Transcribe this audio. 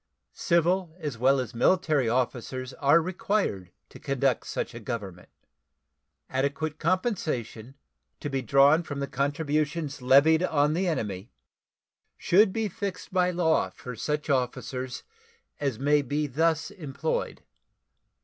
Civil as well as military officers are required to conduct such a government. Adequate compensation, to be drawn from contributions levied on the enemy, should be fixed by law for such officers as may be thus employed.